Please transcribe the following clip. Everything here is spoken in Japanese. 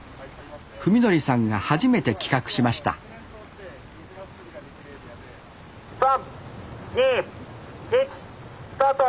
史規さんが初めて企画しました３２１スタート！